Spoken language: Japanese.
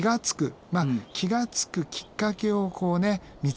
まあ気がつくきっかけをこうね見つける。